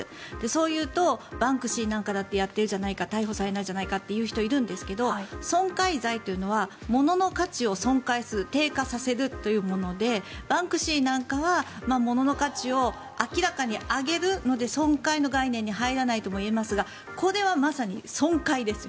そう言うとバンクシーなんかだってやっているじゃないか逮捕されないじゃないかと言う人もいるんですが損壊罪というのは物の価値を損壊する低下させるというものでバンクシーなんかは物の価値を明らかに上げるので損壊の概念に入らないとも言えますがこれはまさに損壊です。